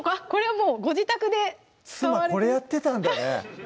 これはもうご自宅で妻これやってたんだね